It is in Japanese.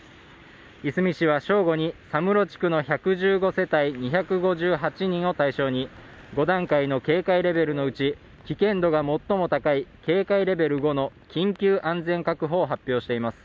いすみ市は正午に佐室地区の１１５世帯２５８人を対象に５段階の警戒レベルのうち危険度が最も高い警戒レベル５の緊急安全確保を発表しています。